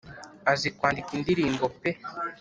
azi kwandika indirimbo pe